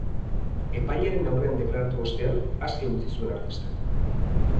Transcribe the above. Epailearen aurrean deklaratu ostean, aske utzi zuen artista.